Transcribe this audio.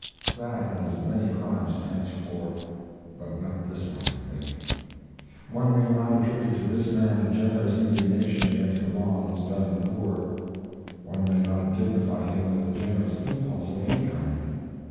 That has many crimes to answer for, but not this one, I think. One may not attribute to this man a generous indignation against the wrongs done the poor; one may not dignify him with a generous impulse of any kind.